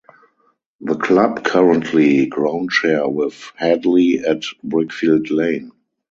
The club currently groundshare with Hadley at Brickfield Lane.